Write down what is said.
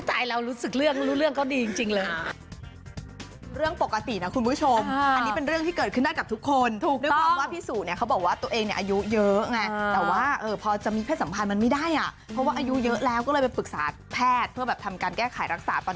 ตายแล้วรู้เรื่องก็ดีจริงเลย